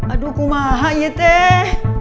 aduh kumaha yeteh